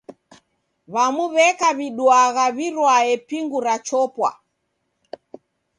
W'amu w'eka w'iduagha w'irwae pingu rachopwa.